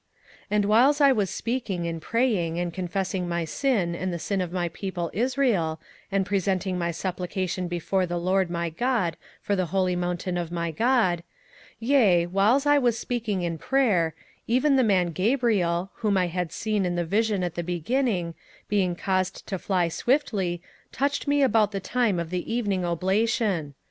27:009:020 And whiles I was speaking, and praying, and confessing my sin and the sin of my people Israel, and presenting my supplication before the LORD my God for the holy mountain of my God; 27:009:021 Yea, whiles I was speaking in prayer, even the man Gabriel, whom I had seen in the vision at the beginning, being caused to fly swiftly, touched me about the time of the evening oblation.